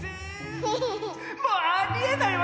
もうありえない！